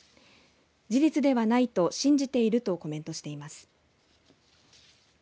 事実ではないと信じているとコメントしています。